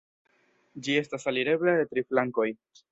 Ĝi estas alirebla de tri flankoj.